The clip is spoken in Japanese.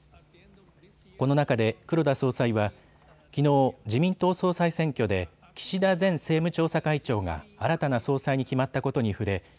この中で黒田総裁はきのう、自民党総裁選挙で岸田前政務調査会長が新たな総裁に決まったことに触れ